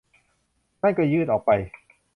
นั่นก็ยืดออกไป